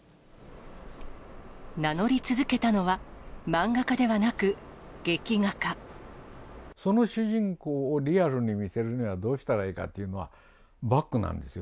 名乗り続けたのは、漫画家でその主人公をリアルに見せるにはどうしたらいいかっていうのは、バックなんですよ。